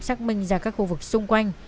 xác minh ra các khu vực xung quanh